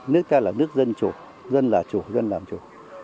nước ta là nước dân chủ dân là chủ dân làm chủ